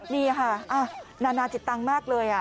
นี่ค่ะนานาจิตตังค์มากเลย